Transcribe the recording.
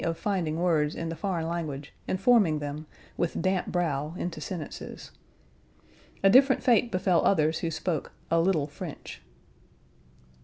Page 103 of finding words in the foreign language and forming them, with damp brow, into sentences. A different fate befell others who spoke "a little French."